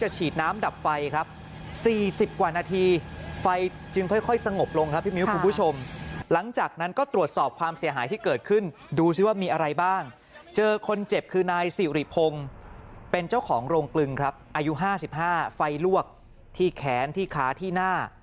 สิริพงศ์เป็นเจ้าของโรงกลึงครับอายุ๕๕ไฟลวกที่แขนที่ค้าที่หน้า